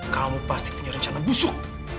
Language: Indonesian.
kamu pasti punya rencana busuk